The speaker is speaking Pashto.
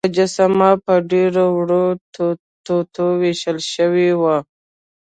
مجسمه په ډیرو وړو ټوټو ویشل شوه.